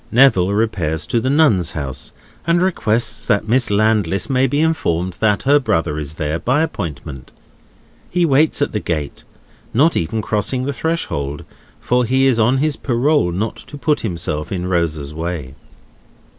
Neville repairs to the Nuns' House, and requests that Miss Landless may be informed that her brother is there, by appointment. He waits at the gate, not even crossing the threshold; for he is on his parole not to put himself in Rosa's way.